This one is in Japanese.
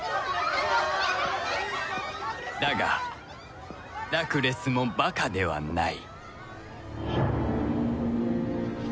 だがラクレスもバカではない